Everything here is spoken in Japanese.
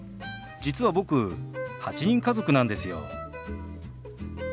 実は僕８人家族なんですよ。